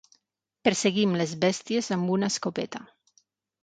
Perseguim les bèsties amb una escopeta.